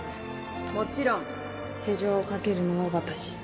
もちろん手錠をかけるのは私